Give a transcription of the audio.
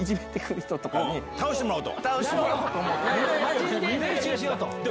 倒してもらおうと。